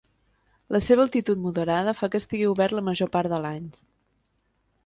La seva altitud moderada fa que estigui obert la major part de l'any.